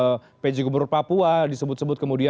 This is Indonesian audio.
beberapa nama misalnya pj gubernur papua disebut sebutkan itu juga ya